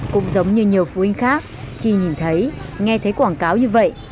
cũng giống như nhiều phụ huynh khác khi nhìn thấy nghe thấy quảng cáo như vậy